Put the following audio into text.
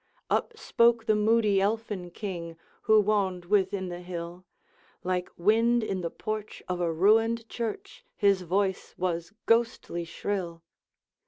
Up spoke the moody Elfin King, Who woned within the hill, Like wind in the porch of a ruined church, His voice was ghostly shrill.